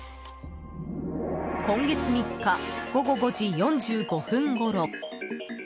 今月３日、午後５時４５分ごろ。